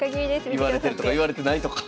言われてるとか言われてないとか。